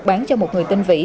bán cho một người tên vĩ